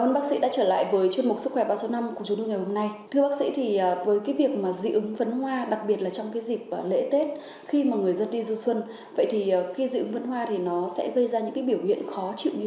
vậy khi dị ứng phấn hoa sẽ gây ra những biểu hiện khó chịu như thế nào